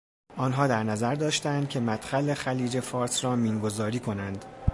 آنها در نظر داشتند که مدخل خلیج فارس را مین گذاری کنند.